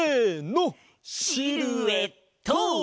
シルエット！